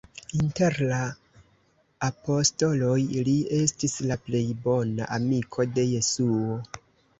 Inter la apostoloj, li estis la plej bona amiko de Jesuo.